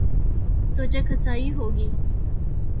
تو جگ ہنسائی ہو گی۔